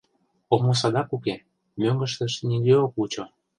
Омо садак уке, мӧҥгыштышт нигӧ ок вучо.